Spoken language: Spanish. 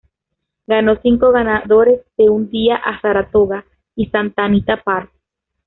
Ganó cinco ganadores de un día a Saratoga y Santa Anita Park.